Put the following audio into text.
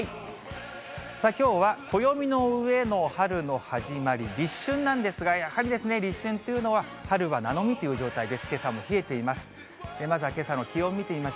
きょうは暦の上の春の始まり、立春なんですが、やはり立春というのは、春はなのみという状態です。